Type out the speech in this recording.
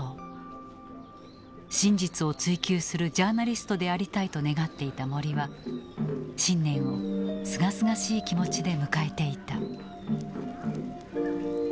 真実を追求するジャーナリストでありたいと願っていた森は新年をすがすがしい気持ちで迎えていた。